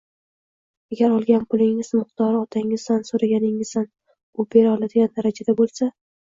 Agar olgan pulingiz miqdori otangizdan so‘raganingizda u bera oladigan darajada bo‘lsa